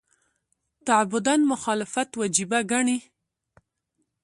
تعبداً مخالفت وجیبه ګڼي.